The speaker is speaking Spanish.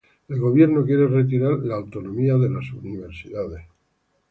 El gobierno quiere retirar la autonomía de las universidades.